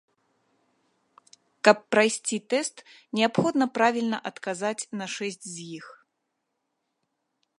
Каб прайсці тэст, неабходна правільна адказаць на шэсць з іх.